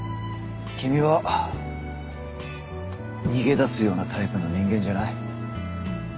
君は逃げ出すようなタイプの人間じゃない。